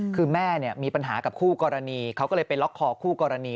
คือแม่มีปัญหากับคู่กรณีเขาก็เลยไปล็อกคอคู่กรณี